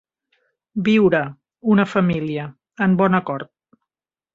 Viure, una família, en bon acord.